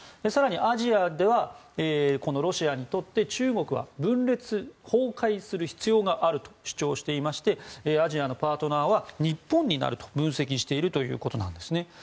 更にアジアではロシアにとって中国は分裂・崩壊する必要があると主張していましてアジアのパートナーは日本になると分析しているということです。